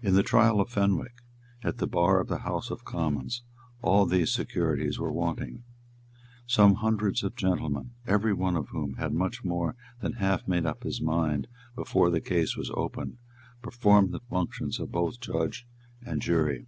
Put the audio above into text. In the trial of Fenwick at the bar of the House of Commons all these securities were wanting. Some hundreds of gentlemen, every one of whom had much more than half made up his mind before the case was opened, performed the functions both of judge and jury.